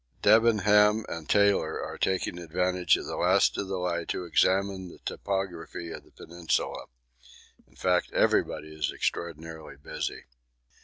Debenham and Taylor are taking advantage of the last of the light to examine the topography of the peninsula. In fact, everyone is extraordinarily busy.